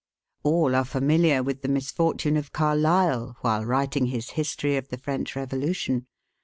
All are familiar with the misfortune of Carlyle while writing his "History of the French Revolution."